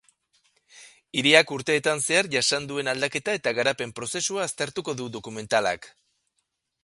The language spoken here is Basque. Hiriak urteetan zehar jasan duen aldaketa eta garapen prozesua aztertuko du dokumentalak.